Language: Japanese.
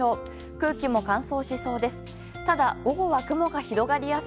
空気も乾燥しそうです。